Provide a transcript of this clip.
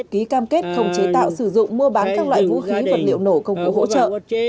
ký cam kết không chế tạo sử dụng mua bán các loại vũ khí vật liệu nổ công cụ hỗ trợ